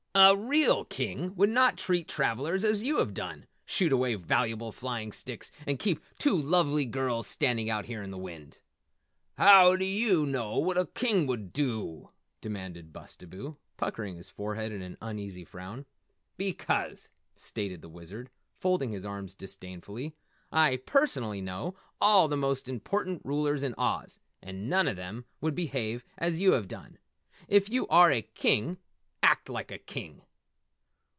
"A real King would not treat travellers as you have done, shoot away valuable flying sticks and keep two lovely girls standing out here in the wind." "How dew yew know what a King would dew?" demanded Bustabo, puckering his forehead in an uneasy frown. "Because," stated the Wizard, folding his arms disdainfully, "I personally know all the most important rulers in Oz, and none of them would behave as you have done. If you are a King, act like a King!"